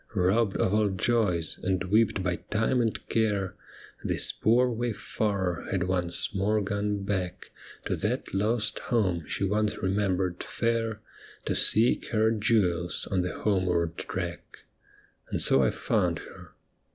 Robbed of all joys, and whipped by time and care. This poor wayfarer had once more gone back To that lost home she once remembered fair, To seek her jewels on the homeward track. And so I found her.